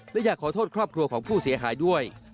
และอยากขอโทษครอบครัวของผู้เสียหายด้วย